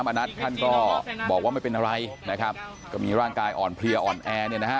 ณัฐท่านก็บอกว่าไม่เป็นอะไรนะครับก็มีร่างกายอ่อนเพลียอ่อนแอเนี่ยนะฮะ